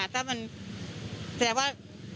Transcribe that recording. ฐะมันแสดงว่า